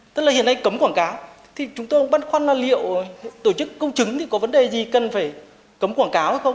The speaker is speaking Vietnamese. tức là hiện nay cấm quảng cáo thì chúng tôi cũng băn khoăn là liệu tổ chức công chứng thì có vấn đề gì cần phải cấm quảng cáo hay không